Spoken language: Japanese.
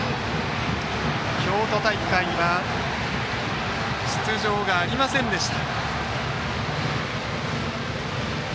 京都大会は出場がありませんでした。